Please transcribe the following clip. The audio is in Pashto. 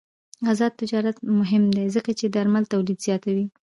آزاد تجارت مهم دی ځکه چې درمل تولید زیاتوي.